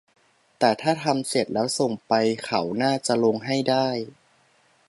แต่ถ้าทำเสร็จแล้วส่งไปเขาน่าจะลงให้ได้